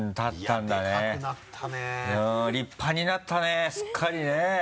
うん立派になったねすっかりね。